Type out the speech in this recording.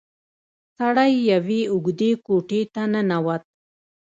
سړی يوې اوږدې کوټې ته ننوت.